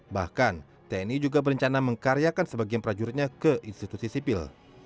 bahkan tni juga berencana mengkaryakan sebagian prajuritnya ke institusi sipil